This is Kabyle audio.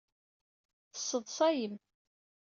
Tesseḍṣayem.